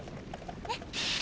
ねっ？